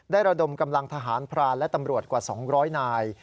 ระดมกำลังทหารพรานและตำรวจกว่า๒๐๐นาย